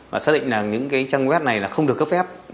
và xác định là những trang web này không được cấp phép